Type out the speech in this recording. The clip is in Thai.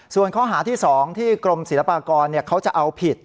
ส่วนข้อหาที่๒ที่กรมศิลปากรเขาจะเอาผิด